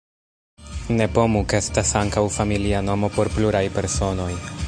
Nepomuk estas ankaŭ familia nomo por pluraj personoj.